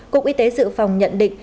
cục y tế dự phòng nhận định